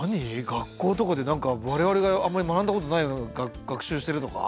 学校とかで何か我々があんまり学んだことないような学習してるとか？